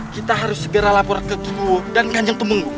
kita harus segera lapor ke kikubu dan kanjeng tumungu